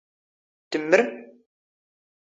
ⵜⵎⵎⵔⵎ?